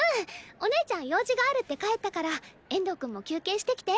お姉ちゃん用事があるって帰ったから遠藤くんも休憩してきて。